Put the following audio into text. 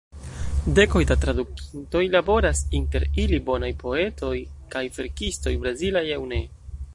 Dekoj da tradukintoj kunlaboras, inter ili bonaj poetoj kaj verkistoj, brazilaj aŭ ne.